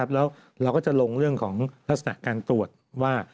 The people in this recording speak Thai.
แล้วเราก็จะลงเรื่องของลักษณะการตรวจว่า